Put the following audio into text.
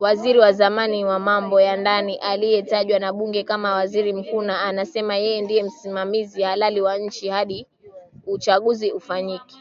Waziri wa zamani wa mambo ya ndani aliyetajwa na bunge kama waziri mkuu, na anasema yeye ndie msimamizi halali wa nchi hadi uchaguzi ufanyike.